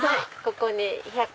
ここに。